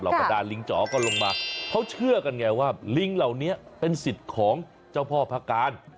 ประดาลิงจ๋อก็ลงมาเขาเชื่อกันไงว่าลิงเหล่านี้เป็นสิทธิ์ของเจ้าพ่อพระการ